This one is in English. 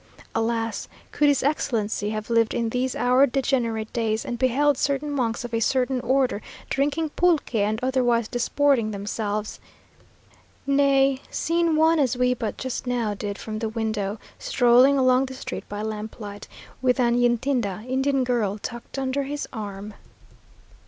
Alas! could his Excellency have lived in these our degenerate days, and beheld certain monks of a certain order drinking pulque and otherwise disporting themselves! nay, seen one, as we but just now did from the window, strolling along the street by lamplight, with an Yntida (Indian girl) tucked under his arm!....